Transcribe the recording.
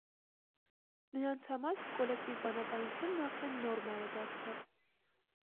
Նրանց համար կոլեկտիվ բանականությունն արդեն նորմա է դարձել։